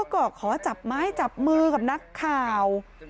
ก็ขอจับไม้จับมือกับนักข่าว